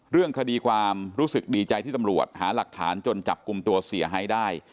เรื่องคดีความรู้สึกดีใจที่ตำรวจหาหลักฐานจนจับกลุ่มตัวเสียหายได้